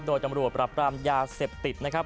โดยตำรวจปรับปรามยาเสพติดนะครับ